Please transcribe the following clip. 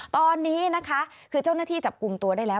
ตอนนี้นะคะคือเจ้าหน้าที่จับกลุ่มตัวได้แล้ว